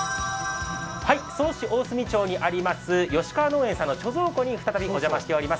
曽於市大隅町にあります吉川農園さんの貯蔵庫にお伺いしております。